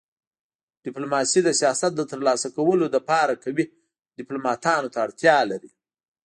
ډيپلوماسي د سیاست د تر لاسه کولو لپاره قوي ډيپلوماتانو ته اړتیا لري.